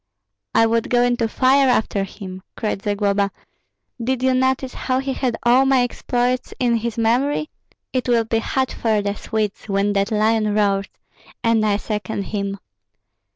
"I would go into fire after him!" cried Zagloba. "Did you notice how he had all my exploits in his memory? It will be hot for the Swedes when that lion roars, and I second him.